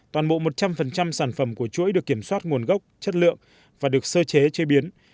toàn bộ một trăm linh sản phẩm của chuỗi được kiểm soát nguồn gốc chất lượng và được sơ chế chế biến